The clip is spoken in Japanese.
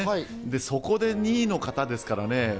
そこで２位の方ですからね。